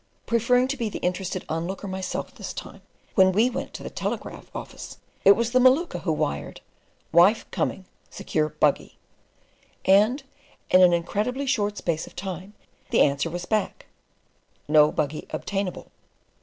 Preferring to be "the interested onlooker" myself this time, when we went to the telegraph office it was the Maluka who wired: "Wife coming, secure buggy", and in an incredibly short space of time the answer was back: "No buggy obtainable."